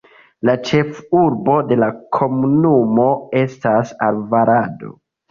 La ĉefurbo de la komunumo estas Alvarado.